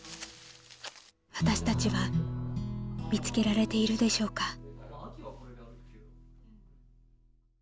［私たちは見つけられているでしょうか？］